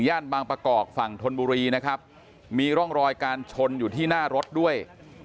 บางประกอบฝั่งธนบุรีนะครับมีร่องรอยการชนอยู่ที่หน้ารถด้วย